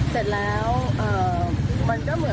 พอติดไฟแดงตัวนี้รถมันก็จะตุกนิดหน่อย